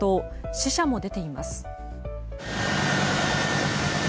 死者も出ています。